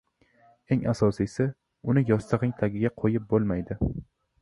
Eng asosiysi, uni yostig‘ing tagiga qo‘yib bo‘lmaydi.